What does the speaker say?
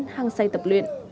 hàng xây tập luyện